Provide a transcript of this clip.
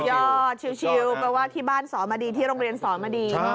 ยอดชิลแปลว่าที่บ้านสอนมาดีที่โรงเรียนสอนมาดี